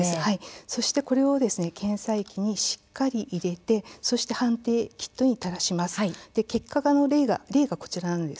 そしてこれを検査液にしっかり入れてそして判定キットに垂らします。